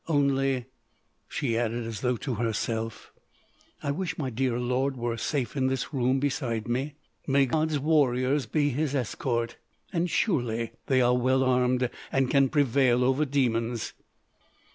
"Only," she added, as though to herself, "I wish my dear lord were safe in this room beside me.... May God's warriors be his escort. And surely they are well armed, and can prevail over demons.